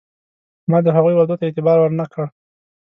ما د هغوی وعدو ته اعتبار ور نه کړ.